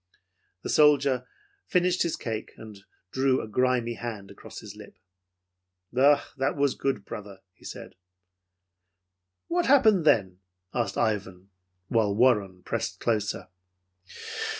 The soldier finished his cake, and drew a grimy hand across his lip. "That was good, brother," he said. "What happened then?" asked Ivan, while Warren pressed closer.